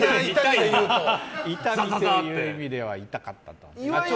痛みという意味では痛かった。